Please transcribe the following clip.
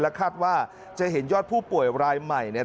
คาดว่าจะเห็นยอดผู้ป่วยรายใหม่เนี่ย